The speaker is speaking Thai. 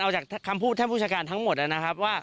เอาจากคำพูดท่านผู้จัดการทั้งหมดนะครับว่า